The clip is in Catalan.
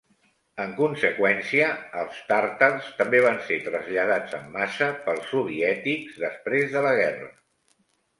En conseqüència, els tàrtars també van ser traslladats en massa pels soviètics després de la guerra.